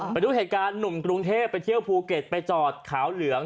ไปดูเหตุการณ์หนุ่มกรุงเทพไปเที่ยวภูเก็ตไปจอดขาวเหลือง